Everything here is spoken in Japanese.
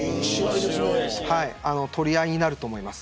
取り合いになると思います。